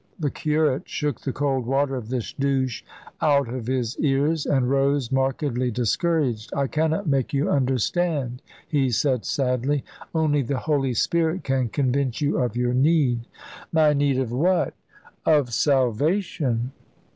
The curate shook the cold water of this douche out of his ears, and rose, markedly discouraged. "I cannot make you understand," he said sadly; "only the Holy Spirit can convince you of your need." "My need of what?" "Of salvation."